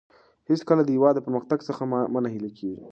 هېڅکله د هېواد د پرمختګ څخه مه ناهیلي کېږئ.